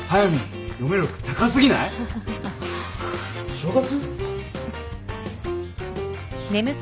正月？